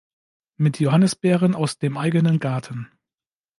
Mit Johannisbeeren aus dem eigenen Garten.